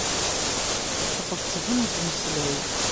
Tɣettbem deg umeslay.